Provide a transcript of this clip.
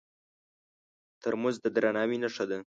ترموز د درناوي نښه ده.